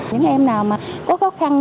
những em nào có khó khăn